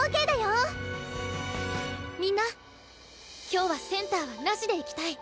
今日はセンターはなしでいきたい。